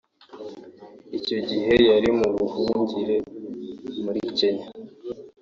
Icyo gihe yari mu buhungiro muri Kenya